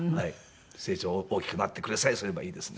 成長大きくなってくれさえすればいいですね。